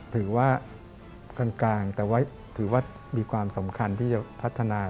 ถือว่าสงครามกลางถือว่ามีความสำคัญที่จะทับทนา